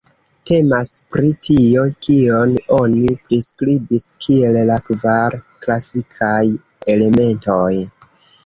Temas pri tio, kion oni priskribis kiel la kvar klasikaj elementoj.